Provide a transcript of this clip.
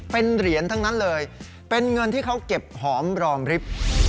เป็นเหรียญทั้งนั้นเลยเป็นเงินที่เขาเก็บหอมรอมริฟท์